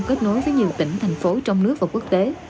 kết nối với nhiều tỉnh thành phố trong nước và quốc tế